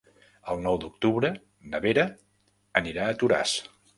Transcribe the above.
El nou d'octubre na Vera anirà a Toràs.